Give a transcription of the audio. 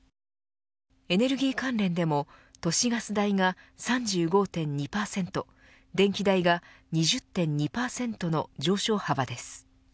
エネルギー関連でも都市ガス代が３５．２％電気代が２０．２％の上昇幅です。